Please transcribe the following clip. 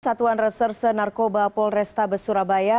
satuan reserse narkoba polresta besurabaya